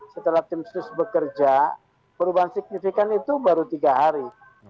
setelah tim sus bekerja perubahan signifikan itu baru tiga hari